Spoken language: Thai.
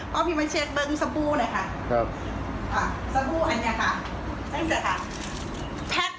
พ่อพี่มาเช็คเบิ้งสบู่นะค่ะสบู่อันเนี้ยค่ะท่านผู้ชายค่ะ